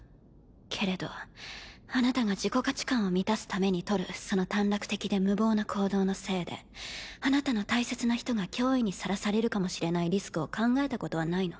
けれどあなたが自己価値観を満たすためにとるその短絡的で無謀な行動のせいであなたの大切な人が脅威にさらされるかもしれないリスクを考えたことはないの？